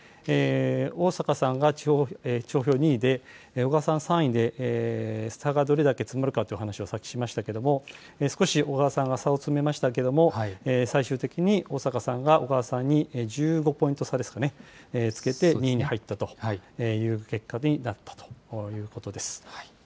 逢坂さんが地方票２位で、小川さん３位で、差がどれだけ詰まるかというお話を先ほどしましたけれども、少し小川さんが差を詰めましたけれども、最終的に逢坂さんが小川さんに１５ポイント差ですかね、つけて２位に入ったという結果になったということです。